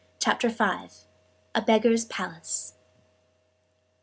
CHAPTER 5. A BEGGAR'S PALACE.